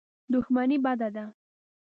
دښمني بده ده.